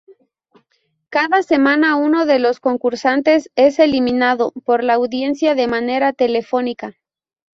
Cada semana, uno de los concursantes es eliminado por la audiencia de manera telefónica.